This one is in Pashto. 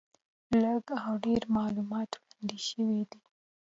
لږ او ډېر معلومات وړاندې شوي دي.